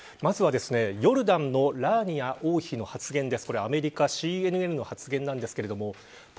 まずはヨルダンのラーニア王妃の発言です。